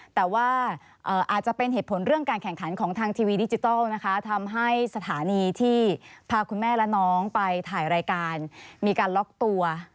แต่ว่าอาจจะเป็นเหตุผลเรื่องการแข่งขันของทางทีวีดิจิทัลนะคะทำให้สถานีที่พาคุณแม่และน้องไปถ่ายรายการมีการล็อกตัว